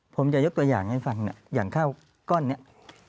ผมจะยกตัวอย่างให้ฟังอย่างข้าวก้อนนี้